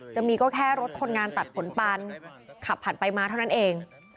จะมีก็แค่รถคนงานตัดผลปานขับผ่านไปมาเท่านั้นเอง